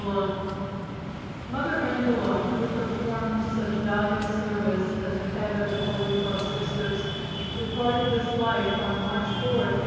Mother Angela, who performed such valiant service as the head of the Holy Cross Sisters, departed this life on March 4, 1887.